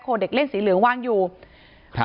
ที่มีข่าวเรื่องน้องหายตัว